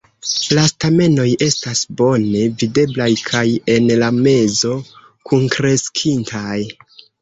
La stamenoj estas bone videblaj kaj en la mezo kunkreskintaj.